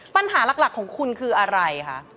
ปัญหาหลักของคุณคืออะไรคะ